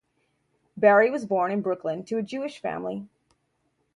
Barry was born in Brooklyn to a Jewish family.